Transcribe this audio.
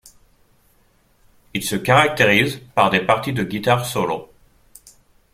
Il se caractérise par des parties de guitare solo.